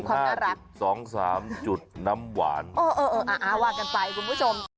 ใครอยากดูความน่ารักเออเออเออว่ากันไปคุณผู้ชม